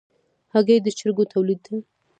هګۍ د چرګو تولید ده.